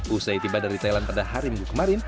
usai tiba dari thailand pada hari minggu kemarin